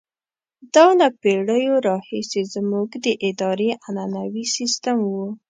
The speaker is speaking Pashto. دا له پېړیو راهیسې زموږ د ادارې عنعنوي سیستم وو.